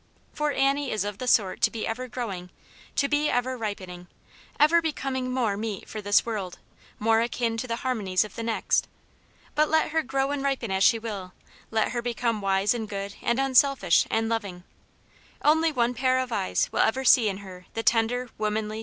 For Annie is of the sort to be ever growing ; to be ever ripening, ever becoming more meet for this world, more akin to the harmonies of the next. But let her grow and ripen as she will ; let her become wise, and good, and unselfish, and loving, only one pair of eyes will ever see in her the tender, womanly.